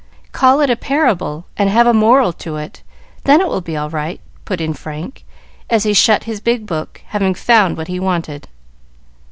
"Call it a parable, and have a moral to it, then it will be all right," put in Frank, as he shut his big book, having found what he wanted.